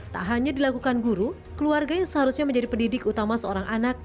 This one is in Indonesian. tak hanya dilakukan guru keluarga yang seharusnya menjadi pendidik utama seorang anak